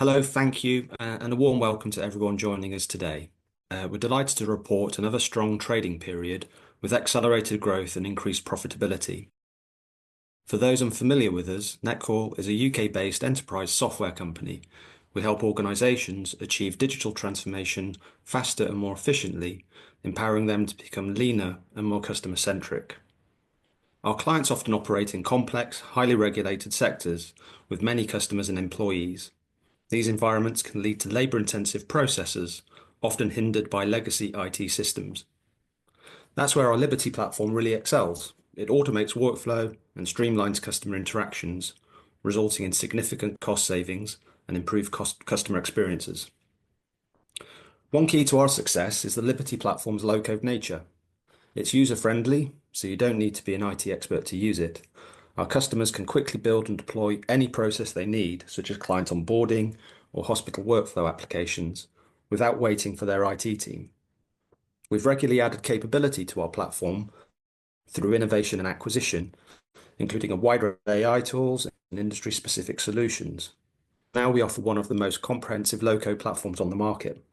Hello, thank you, and a warm welcome to everyone joining us today. We're delighted to report another strong trading period with accelerated growth and increased profitability. For those unfamiliar with us, Netcall is a U.K.-based enterprise software company. We help organizations achieve digital transformation faster and more efficiently, empowering them to become leaner and more customer-centric. Our clients often operate in complex, highly regulated sectors with many customers and employees. These environments can lead to labor-intensive processes, often hindered by legacy IT systems. That's where our Liberty platform really excels. It automates workflow and streamlines customer interactions, resulting in significant cost savings and improved customer experiences. One key to our success is the Liberty platform's low-code nature. It's user-friendly, so you don't need to be an IT expert to use it. Our customers can quickly build and deploy any process they need, such as client onboarding or hospital workflow applications, without waiting for their IT team. We've regularly added capability to our platform through innovation and acquisition, including a wide array of AI tools and industry-specific solutions. Now we offer one of the most comprehensive low-code platforms on the market.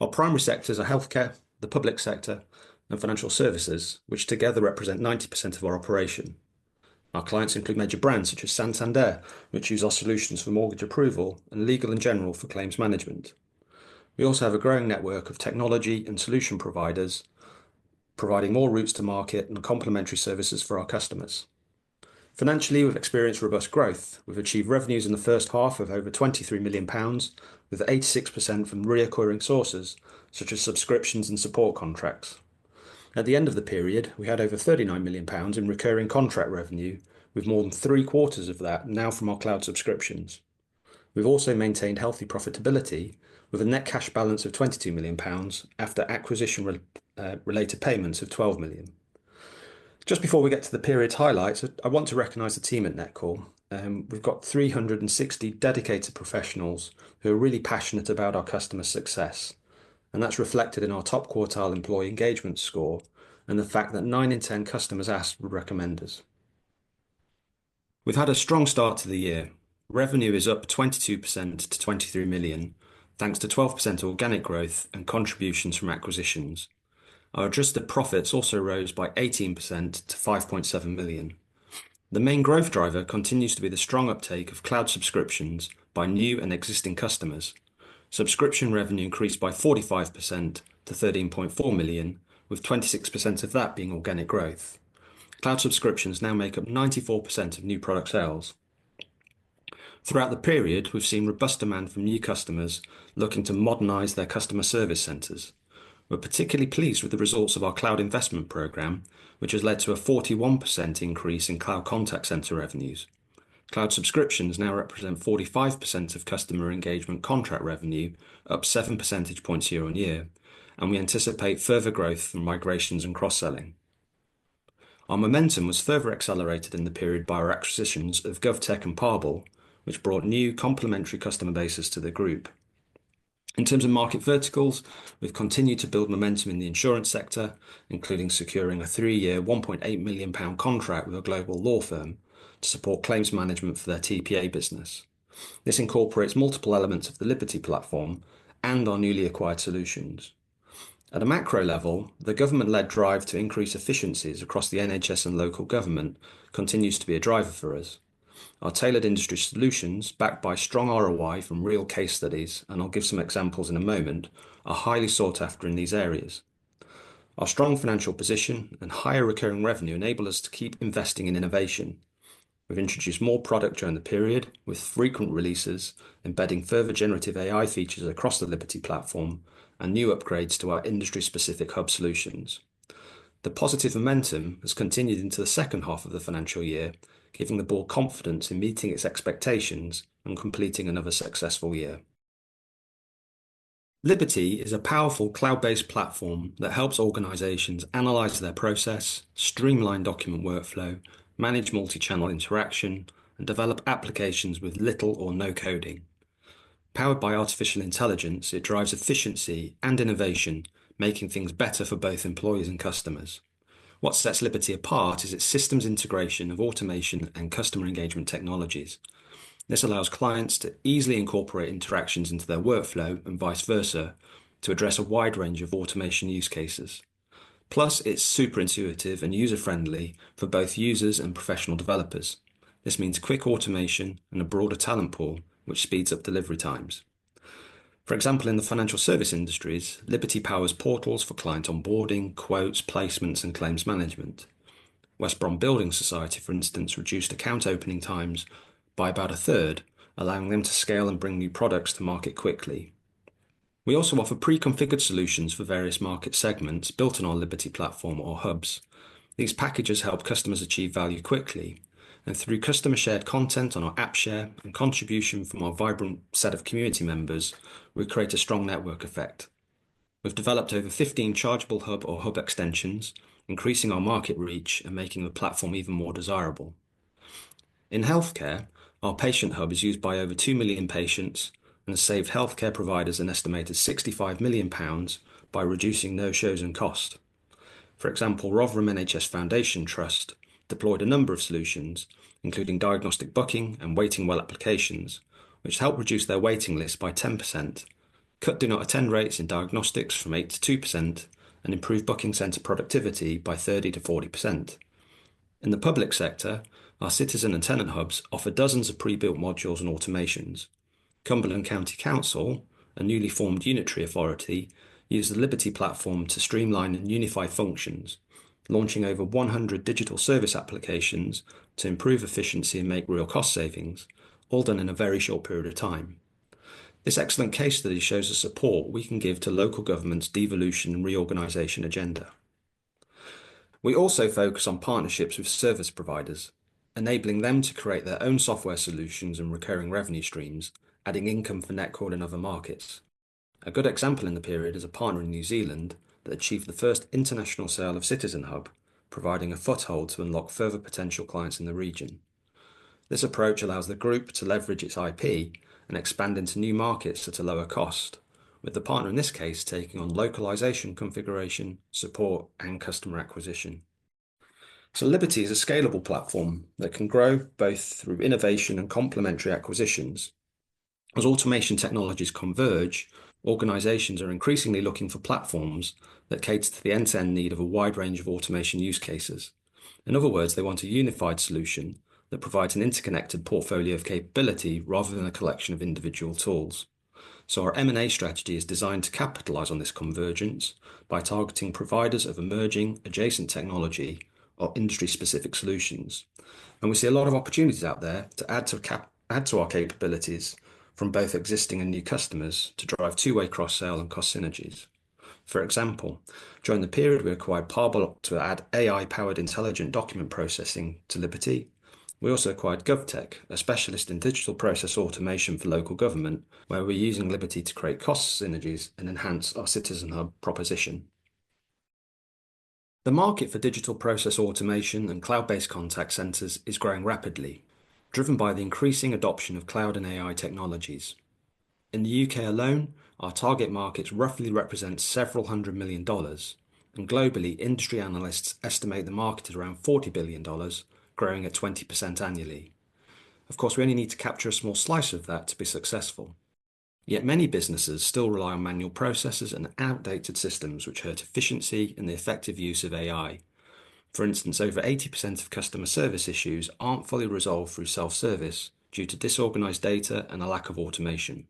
Our primary sectors are healthcare, the public sector, and financial services, which together represent 90% of our operation. Our clients include major brands such as Santander, which use our solutions for mortgage approval, and Legal & General for claims management. We also have a growing network of technology and solution providers, providing more routes to market and complementary services for our customers. Financially, we've experienced robust growth. We've achieved revenues in the first half of over 23 million pounds, with 86% from recurring sources such as subscriptions and support contracts. At the end of the period, we had over 39 million pounds in recurring contract revenue, with more than three quarters of that now from our cloud subscriptions. We have also maintained healthy profitability with a net cash balance of 22 million pounds after acquisition-related payments of 12 million. Just before we get to the period's highlights, I want to recognize the team at Netcall. We have got 360 dedicated professionals who are really passionate about our customer success, and that is reflected in our top quartile employee engagement score and the fact that 9 in 10 customers asked would recommend us. We have had a strong start to the year. Revenue is up 22% to 23 million, thanks to 12% organic growth and contributions from acquisitions. Our adjusted profits also rose by 18% to 5.7 million. The main growth driver continues to be the strong uptake of cloud subscriptions by new and existing customers. Subscription revenue increased by 45% to 13.4 million, with 26% of that being organic growth. Cloud subscriptions now make up 94% of new product sales. Throughout the period, we've seen robust demand from new customers looking to modernize their customer service centres. We're particularly pleased with the results of our cloud investment program, which has led to a 41% increase in cloud contact centre revenues. Cloud subscriptions now represent 45% of Customer Engagement contract revenue, up 7 percentage points year on year, and we anticipate further growth from migrations and cross-selling. Our momentum was further accelerated in the period by our acquisitions of Govtech and Parble, which brought new complementary customer bases to the group. In terms of market verticals, we've continued to build momentum in the insurance sector, including securing a three-year, 1.8 million pound contract with a global law firm to support claims management for their TPA business. This incorporates multiple elements of the Liberty platform and our newly acquired solutions. At a macro level, the government-led drive to increase efficiencies across the NHS and local government continues to be a driver for us. Our tailored industry solutions, backed by strong ROI from real case studies, and I'll give some examples in a moment, are highly sought after in these areas. Our strong financial position and higher recurring revenue enable us to keep investing in innovation. We've introduced more product during the period, with frequent releases embedding further generative AI features across the Liberty platform and new upgrades to our industry-specific hub solutions. The positive momentum has continued into the second half of the financial year, giving the board confidence in meeting its expectations and completing another successful year. Liberty is a powerful cloud-based platform that helps organizations analyze their process, streamline document workflow, manage multichannel interaction, and develop applications with little or no coding. Powered by artificial intelligence, it drives efficiency and innovation, making things better for both employees and customers. What sets Liberty apart is its systems integration of automation and Customer Engagement technologies. This allows clients to easily incorporate interactions into their workflow and vice versa to address a wide range of automation use cases. Plus, it's super intuitive and user-friendly for both users and professional developers. This means quick automation and a broader talent pool, which speeds up delivery times. For example, in the financial service industries, Liberty powers portals for client onboarding, quotes, placements, and claims management. West Brom Building Society, for instance, reduced account opening times by about a third, allowing them to scale and bring new products to market quickly. We also offer pre-configured solutions for various market segments built on our Liberty platform or hubs. These packages help customers achieve value quickly, and through customer-shared content on our AppShare and contribution from our vibrant set of community members, we create a strong network effect. We have developed over 15 chargeable hub or hub extensions, increasing our market reach and making the platform even more desirable. In healthcare, our Patient Hub is used by over 2 million patients and has saved healthcare providers an estimated 65 million pounds by reducing no-shows and cost. For example, Rotherham NHS Foundation Trust deployed a number of solutions, including Diagnostic Booking and Waiting Well applications, which helped reduce their waiting list by 10%, cut do-not-attend rates in diagnostics from 8% to 2%, and improved booking centre productivity by 30%-40%. In the public sector, our Citizen Hub and Tenant Hub offer dozens of pre-built modules and automations. Cumberland County Council, a newly formed unitary authority, used the Liberty platform to streamline and unify functions, launching over 100 digital service applications to improve efficiency and make real cost savings, all done in a very short period of time. This excellent case study shows the support we can give to local government's devolution and reorganization agenda. We also focus on partnerships with service providers, enabling them to create their own software solutions and recurring revenue streams, adding income for Netcall in other markets. A good example in the period is a partner in New Zealand that achieved the first international sale of Citizen Hub, providing a foothold to unlock further potential clients in the region. This approach allows the group to leverage its IP and expand into new markets at a lower cost, with the partner in this case taking on localization configuration, support, and customer acquisition. Liberty is a scalable platform that can grow both through innovation and complementary acquisitions. As automation technologies converge, organizations are increasingly looking for platforms that cater to the end-to-end need of a wide range of automation use cases. In other words, they want a unified solution that provides an interconnected portfolio of capability rather than a collection of individual tools. Our M&A strategy is designed to capitalize on this convergence by targeting providers of emerging, adjacent technology or industry-specific solutions. We see a lot of opportunities out there to add to our capabilities from both existing and new customers to drive two-way cross-sale and cost synergies. For example, during the period, we acquired Parble to add AI-powered intelligent document processing to Liberty. We also acquired Govtech, a specialist in digital process automation for local government, where we're using Liberty to create cost synergies and enhance our Citizen Hub proposition. The market for digital process automation and cloud-based contact centres is growing rapidly, driven by the increasing adoption of cloud and AI technologies. In the U.K. alone, our target market roughly represents several hundred million dollars, and globally, industry analysts estimate the market at around $40 billion, growing at 20% annually. Of course, we only need to capture a small slice of that to be successful. Yet many businesses still rely on manual processors and outdated systems, which hurt efficiency and the effective use of AI. For instance, over 80% of customer service issues aren't fully resolved through self-service due to disorganized data and a lack of automation.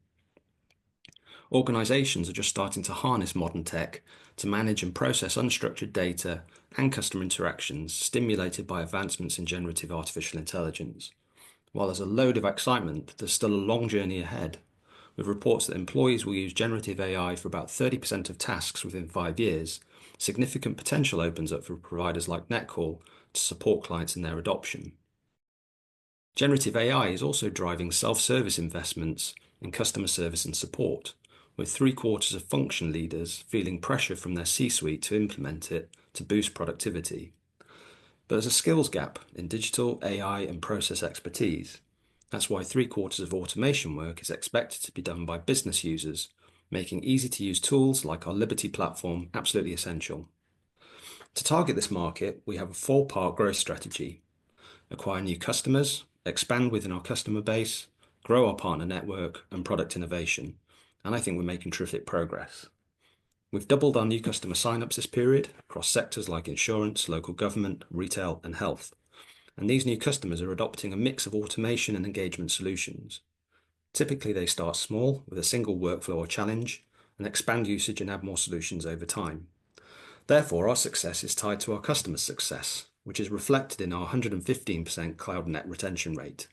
Organizations are just starting to harness modern tech to manage and process unstructured data and customer interactions stimulated by advancements in generative AI. While there's a load of excitement, there's still a long journey ahead. With reports that employees will use generative AI for about 30% of tasks within five years, significant potential opens up for providers like Netcall to support clients in their adoption. Generative AI is also driving self-service investments in customer service and support, with three quarters of function leaders feeling pressure from their C-suite to implement it to boost productivity. There's a skills gap in digital AI and process expertise. That's why three quarters of automation work is expected to be done by business users, making easy-to-use tools like our Liberty platform absolutely essential. To target this market, we have a four-part growth strategy: acquire new customers, expand within our customer base, grow our partner network, and product innovation. I think we're making terrific progress. We've doubled our new customer sign-ups this period across sectors like insurance, local government, retail, and health. These new customers are adopting a mix of automation and engagement solutions. Typically, they start small with a single workflow or challenge and expand usage and add more solutions over time. Therefore, our success is tied to our customer success, which is reflected in our 115% cloud net retention rate,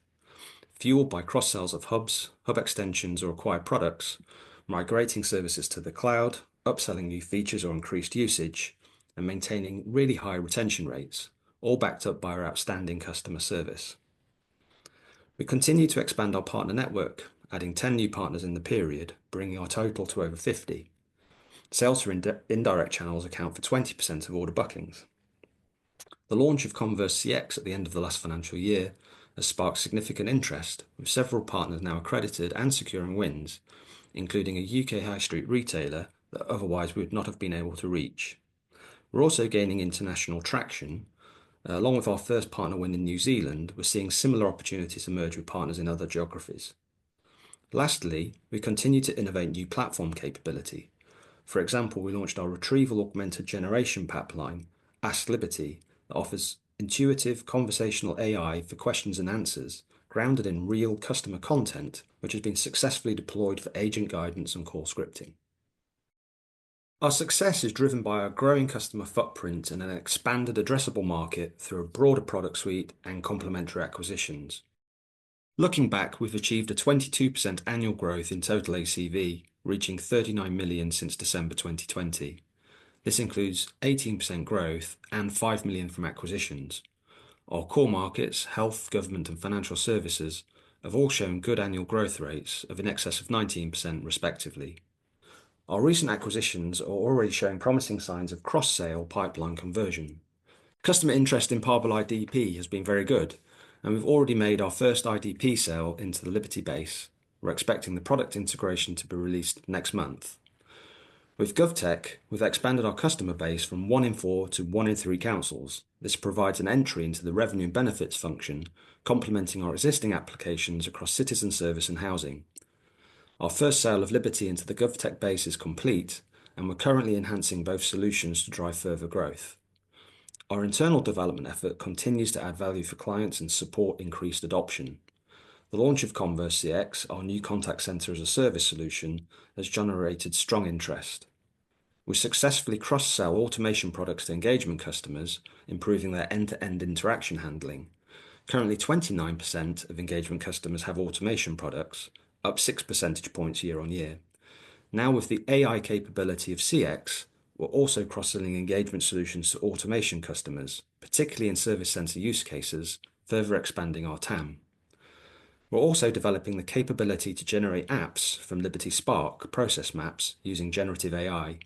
fueled by cross-sales of hubs, hub extensions, or acquired products, migrating services to the cloud, upselling new features or increased usage, and maintaining really high retention rates, all backed up by our outstanding customer service. We continue to expand our partner network, adding 10 new partners in the period, bringing our total to over 50. Sales through indirect channels account for 20% of all the bookings. The launch of Converse CX at the end of the last financial year has sparked significant interest, with several partners now accredited and securing wins, including a U.K. high street retailer that otherwise we would not have been able to reach. We're also gaining international traction. Along with our first partner win in New Zealand, we're seeing similar opportunities emerge with partners in other geographies. Lastly, we continue to innovate new platform capability. For example, we launched our retrieval-augmented generation pipeline, Ask Liberty, that offers intuitive conversational AI for questions and answers, grounded in real customer content, which has been successfully deployed for agent guidance and call scripting. Our success is driven by our growing customer footprint and an expanded addressable market through a broader product suite and complementary acquisitions. Looking back, we have achieved a 22% annual growth in total ACV, reaching 39 million since December 2020. This includes 18% growth and 5 million from acquisitions. Our core markets, health, government, and financial services have all shown good annual growth rates of in excess of 19%, respectively. Our recent acquisitions are already showing promising signs of cross-sale pipeline conversion. Customer interest in Parble IDP has been very good, and we have already made our first IDP sale into the Liberty base. We're expecting the product integration to be released next month. With Govtech, we've expanded our customer base from one in four to one in three councils. This provides an entry into the revenue and benefits function, complementing our existing applications across citizen service and housing. Our first sale of Liberty into the Govtech base is complete, and we're currently enhancing both solutions to drive further growth. Our internal development effort continues to add value for clients and support increased adoption. The launch of Converse CX, our new contact centre as a service solution, has generated strong interest. We successfully cross-sell automation products to engagement customers, improving their end-to-end interaction handling. Currently, 29% of engagement customers have automation products, up 6 percentage points year on year. Now, with the AI capability of CX, we're also cross-selling engagement solutions to automation customers, particularly in service centre use cases, further expanding our TAM. We're also developing the capability to generate apps from Liberty Spark process maps using generative AI,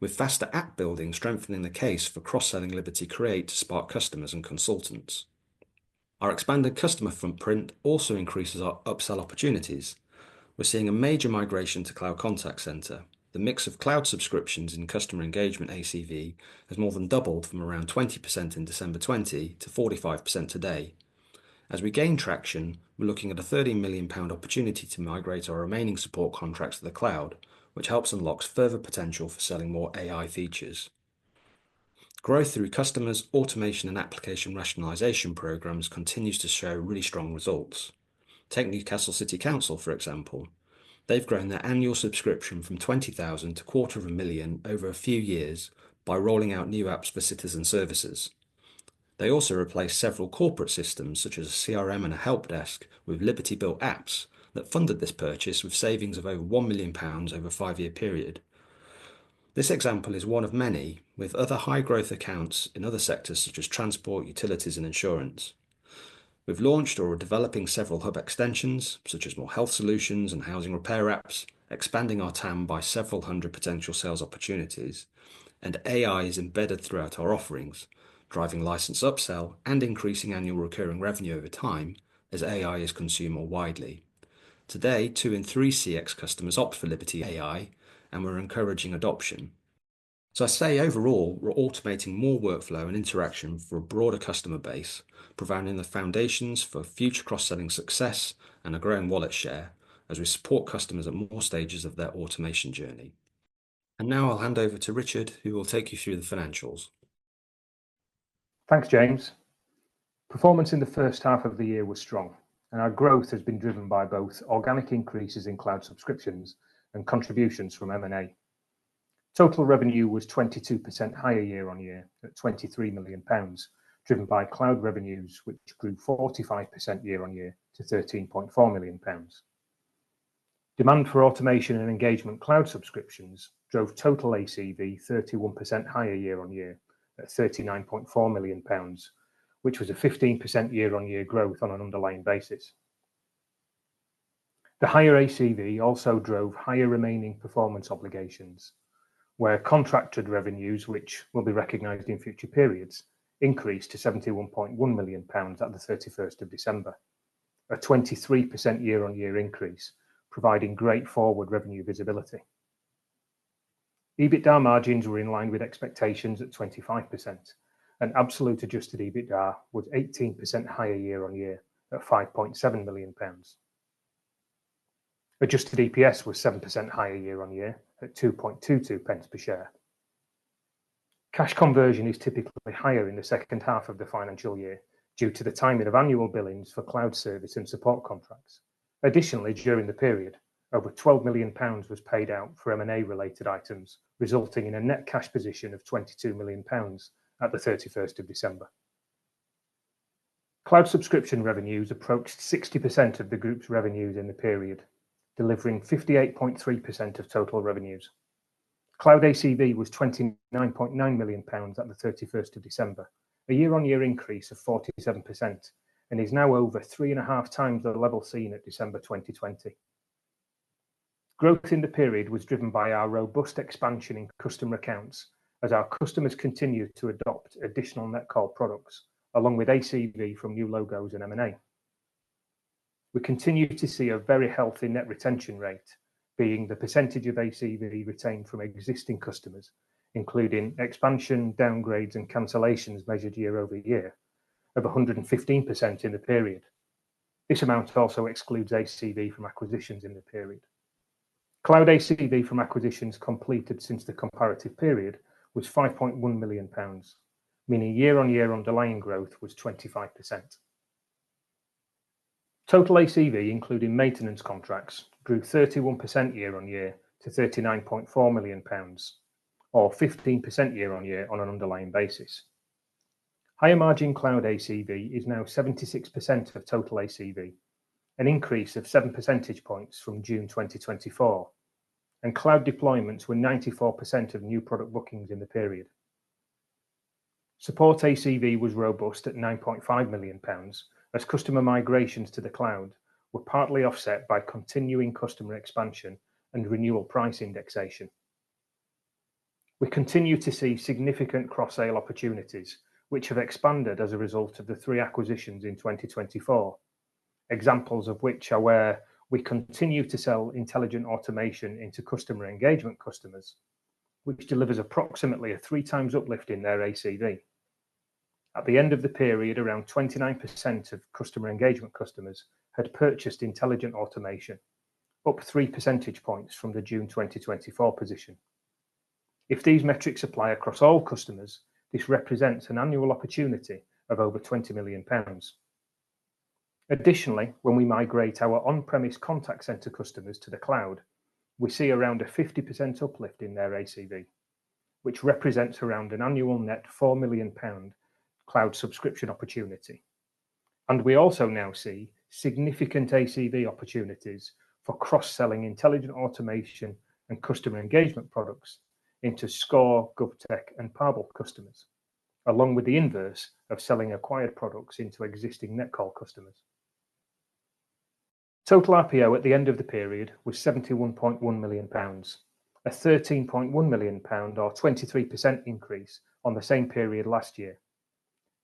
with faster app building strengthening the case for cross-selling Liberty Create to Spark customers and consultants. Our expanded customer footprint also increases our upsell opportunities. We're seeing a major migration to cloud contact centre. The mix of cloud subscriptions in Customer Engagement ACV has more than doubled from around 20% in December 2020 to 45% today. As we gain traction, we're looking at a 13 million pound opportunity to migrate our remaining support contracts to the cloud, which helps unlock further potential for selling more AI features. Growth through customers, automation, and application rationalization programs continues to show really strong results. Take Newcastle City Council, for example. They've grown their annual subscription from 20,000 to 250,000 over a few years by rolling out new apps for citizen services. They also replaced several corporate systems, such as a CRM and a help desk, with Liberty-built apps that funded this purchase with savings of over 1 million pounds over a five-year period. This example is one of many, with other high-growth accounts in other sectors, such as transport, utilities, and insurance. We have launched or are developing several hub extensions, such as more health solutions and housing repair apps, expanding our TAM by several hundred potential sales opportunities. AI is embedded throughout our offerings, driving license upsell and increasing annual recurring revenue over time as AI is consumed more widely. Today, two in three CX customers opt for Liberty AI, and we are encouraging adoption. I would say overall, we're automating more workflow and interaction for a broader customer base, providing the foundations for future cross-selling success and a growing wallet share as we support customers at more stages of their automation journey. Now I'll hand over to Richard, who will take you through the financials. Thanks, James. Performance in the first half of the year was strong, and our growth has been driven by both organic increases in cloud subscriptions and contributions from M&A. Total revenue was 22% higher year on year at 23 million pounds, driven by cloud revenues, which grew 45% year on year to 13.4 million pounds. Demand for automation and engagement cloud subscriptions drove total ACV 31% higher year on year at 39.4 million pounds, which was a 15% year-on-year growth on an underlying basis. The higher ACV also drove higher remaining performance obligations, where contracted revenues, which will be recognized in future periods, increased to 71.1 million pounds at the 31st of December, a 23% year-on-year increase, providing great forward revenue visibility. EBITDA margins were in line with expectations at 25%. Absolute adjusted EBITDA was 18% higher year on year at 5.7 million pounds. Adjusted EPS was 7% higher year on year at 2.22 per share. Cash conversion is typically higher in the second half of the financial year due to the timing of annual billings for cloud service and support contracts. Additionally, during the period, over 12 million pounds was paid out for M&A-related items, resulting in a net cash position of 22 million pounds at the 31st of December. Cloud subscription revenues approached 60% of the group's revenues in the period, delivering 58.3% of total revenues. Cloud ACV was 29.9 million pounds at the 31st of December, a year-on-year increase of 47%, and is now over three and a half times the level seen at December 2020. Growth in the period was driven by our robust expansion in customer accounts as our customers continued to adopt additional Netcall products, along with ACV from new logos and M&A. We continue to see a very healthy net retention rate, being the percentage of ACV retained from existing customers, including expansion, downgrades, and cancellations measured year over year, of 115% in the period. This amount also excludes ACV from acquisitions in the period. Cloud ACV from acquisitions completed since the comparative period was 5.1 million pounds, meaning year-on-year underlying growth was 25%. Total ACV, including maintenance contracts, grew 31% year-on-year to 39.4 million pounds, or 15% year-on-year on an underlying basis. Higher margin cloud ACV is now 76% of total ACV, an increase of 7 percentage points from June 2024. Cloud deployments were 94% of new product bookings in the period. Support ACV was robust at 9.5 million pounds as customer migrations to the cloud were partly offset by continuing customer expansion and renewal price indexation. We continue to see significant cross-sale opportunities, which have expanded as a result of the three acquisitions in 2024, examples of which are where we continue to sell intelligent automation into Customer Engagement customers, which delivers approximately a three-times uplift in their ACV. At the end of the period, around 29% of Customer Engagement customers had purchased intelligent automation, up 3 percentage points from the June 2024 position. If these metrics apply across all customers, this represents an annual opportunity of over 20 million pounds. Additionally, when we migrate our on-premise contact centre customers to the cloud, we see around a 50% uplift in their ACV, which represents around an annual net 4 million pound cloud subscription opportunity. We also now see significant ACV opportunities for cross-selling intelligent automation and Customer Engagement products into Skore, Govtech, and Parble customers, along with the inverse of selling acquired products into existing Netcall customers. Total RPO at the end of the period was 71.1 million pounds, a 13.1 million pound, or 23% increase on the same period last year.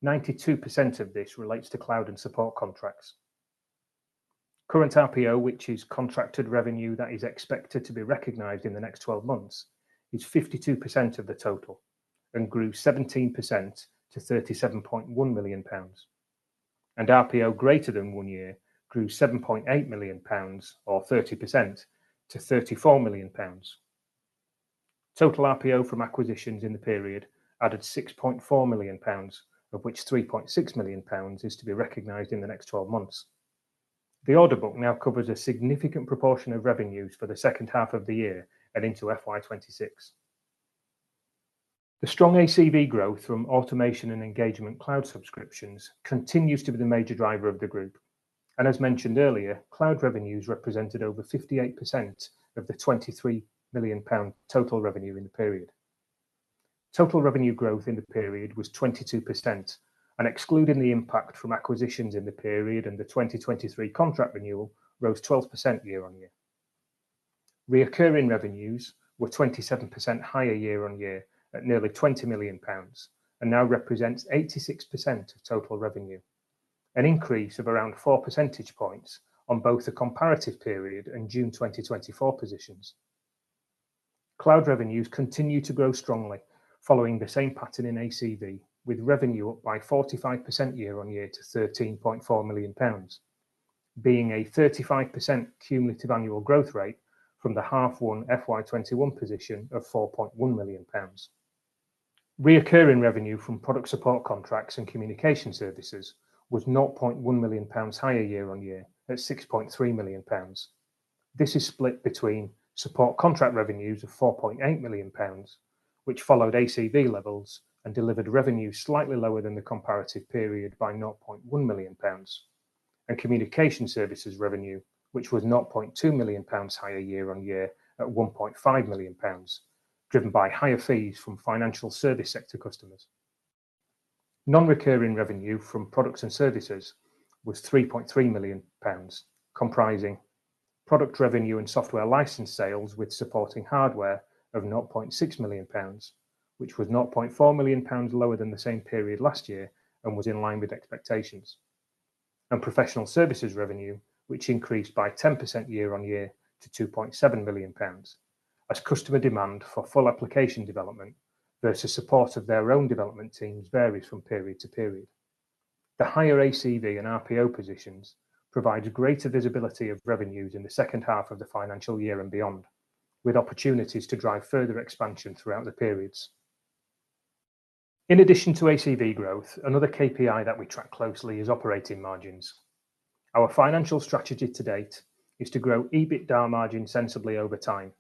92% of this relates to cloud and support contracts. Current RPO, which is contracted revenue that is expected to be recognized in the next 12 months, is 52% of the total and grew 17% to 37.1 million pounds. RPO greater than one year grew 7.8 million pounds, or 30%, to 34 million pounds. Total RPO from acquisitions in the period added 6.4 million pounds, of which 3.6 million pounds is to be recognized in the next 12 months. The order book now covers a significant proportion of revenues for the second half of the year and into FY2026. The strong ACV growth from automation and engagement cloud subscriptions continues to be the major driver of the group. As mentioned earlier, cloud revenues represented over 58% of the 23 million pound total revenue in the period. Total revenue growth in the period was 22%, and excluding the impact from acquisitions in the period and the 2023 contract renewal, rose 12% year on year. Recurring revenues were 27% higher year on year at nearly 20 million pounds and now represent 86% of total revenue, an increase of around 4 percentage points on both the comparative period and June 2024 positions. Cloud revenues continue to grow strongly, following the same pattern in ACV, with revenue up by 45% year on year to 13.4 million pounds, being a 35% cumulative annual growth rate from the half-one FY 2021 position of 4.1 million pounds. Recurring revenue from product support contracts and communication services was 0.1 million pounds higher year on year at 6.3 million pounds. This is split between support contract revenues of 4.8 million pounds, which followed ACV levels and delivered revenue slightly lower than the comparative period by 0.1 million pounds, and communication services revenue, which was 0.2 million pounds higher year on year at 1.5 million pounds, driven by higher fees from financial service sector customers. Non-recurring revenue from products and services was 3.3 million pounds, comprising product revenue and software license sales with supporting hardware of 0.6 million pounds, which was 0.4 million pounds lower than the same period last year and was in line with expectations. Professional services revenue, which increased by 10% year on year to 2.7 million pounds, as customer demand for full application development versus support of their own development teams varies from period to period. The higher ACV and RPO positions provide greater visibility of revenues in the second half of the financial year and beyond, with opportunities to drive further expansion throughout the periods. In addition to ACV growth, another KPI that we track closely is operating margins. Our financial strategy to date is to grow EBITDA margin sensibly over time,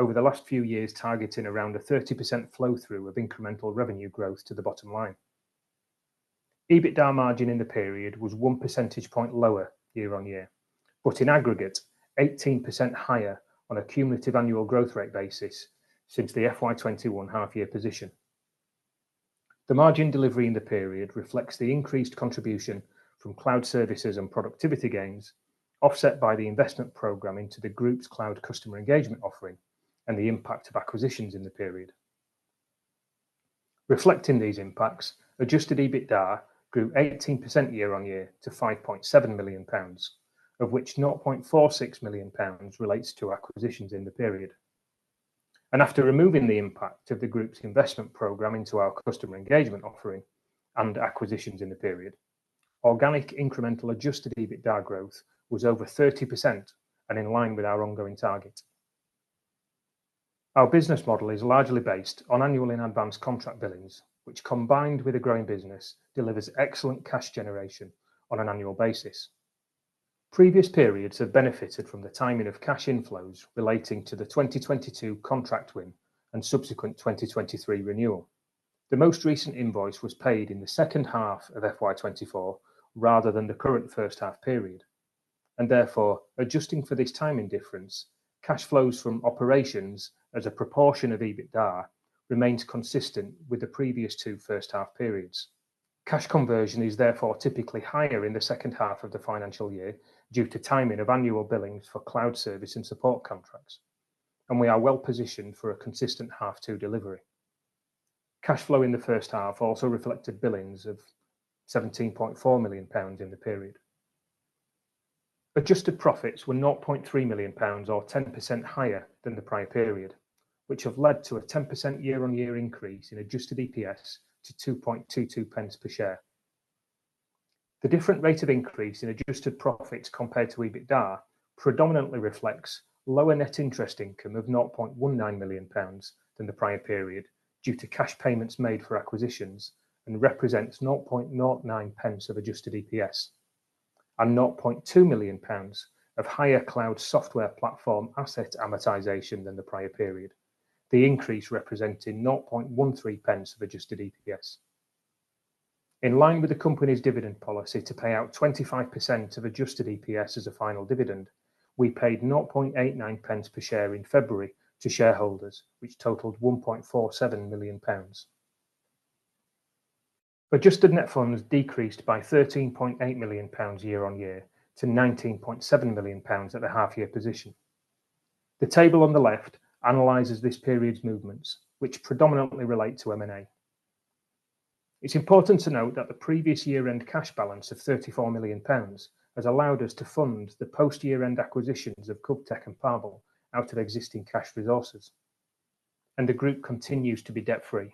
over the last few years targeting around a 30% flow-through of incremental revenue growth to the bottom line. EBITDA margin in the period was 1 percentage point lower year on year, but in aggregate, 18% higher on a cumulative annual growth rate basis since the FY2021 half-year position. The margin delivery in the period reflects the increased contribution from cloud services and productivity gains, offset by the investment program into the group's cloud Customer Engagement offering and the impact of acquisitions in the period. Reflecting these impacts, adjusted EBITDA grew 18% year on year to 5.7 million pounds, of which 0.46 million pounds relates to acquisitions in the period. After removing the impact of the group's investment program into our Customer Engagement offering and acquisitions in the period, organic incremental adjusted EBITDA growth was over 30% and in line with our ongoing target. Our business model is largely based on annual in-advance contract billings, which combined with a growing business delivers excellent cash generation on an annual basis. Previous periods have benefited from the timing of cash inflows relating to the 2022 contract win and subsequent 2023 renewal. The most recent invoice was paid in the second half of FY2024 rather than the current first half period. Therefore, adjusting for this timing difference, cash flows from operations as a proportion of EBITDA remains consistent with the previous two first half periods. Cash conversion is typically higher in the second half of the financial year due to timing of annual billings for cloud service and support contracts. We are well positioned for a consistent half-two delivery. Cash flow in the first half also reflected billings of 17.4 million pounds in the period. Adjusted profits were 0.3 million pounds, or 10% higher than the prior period, which have led to a 10% year-on-year increase in adjusted EPS to 2.22 per share. The different rate of increase in adjusted profits compared to EBITDA predominantly reflects lower net interest income of 0.19 million pounds than the prior period due to cash payments made for acquisitions and represents 0.09 of adjusted EPS and 0.2 million pounds of higher cloud software platform asset amortization than the prior period, the increase representing 0.13 of adjusted EPS. In line with the company's dividend policy to pay out 25% of adjusted EPS as a final dividend, we paid 0.89 per share in February to shareholders, which totaled 1.47 million pounds. Adjusted net funds decreased by 13.8 million pounds year-on-year to 19.7 million pounds at the half-year position. The table on the left analyzes this period's movements, which predominantly relate to M&A. It's important to note that the previous year-end cash balance of 34 million pounds has allowed us to fund the post-year-end acquisitions of Govtech and Parble out of existing cash resources. The group continues to be debt-free.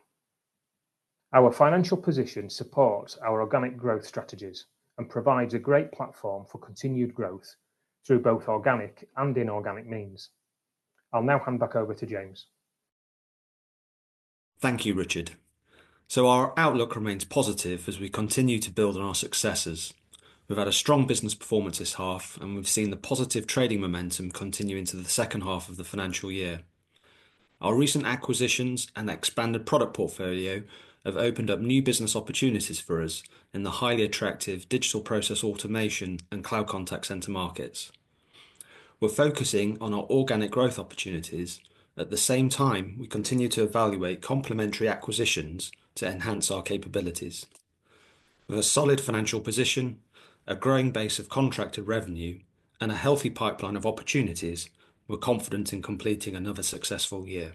Our financial position supports our organic growth strategies and provides a great platform for continued growth through both organic and inorganic means. I'll now hand back over to James. Thank you, Richard. Our outlook remains positive as we continue to build on our successes. We've had a strong business performance this half, and we've seen the positive trading momentum continue into the second half of the financial year. Our recent acquisitions and the expanded product portfolio have opened up new business opportunities for us in the highly attractive digital process automation and cloud contact centre markets. We're focusing on our organic growth opportunities. At the same time, we continue to evaluate complementary acquisitions to enhance our capabilities. With a solid financial position, a growing base of contracted revenue, and a healthy pipeline of opportunities, we're confident in completing another successful year.